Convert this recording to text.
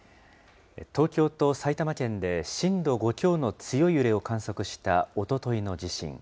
東京と埼玉県で、震度５強の強い揺れを観測したおとといの地震。